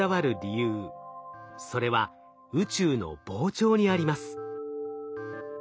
それは宇宙の膨張にあります。